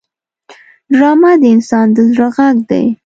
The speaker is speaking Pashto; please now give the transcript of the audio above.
ډرامه د انسان د زړه غږ دی